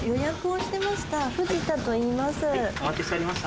藤田といいます。